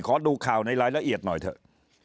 ขอดูข่าวในรายละเอียดหน่อยเถอะ